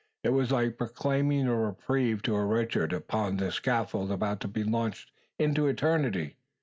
It was like proclaiming a reprieve to a wretch upon the scaffold about to be launched into eternity.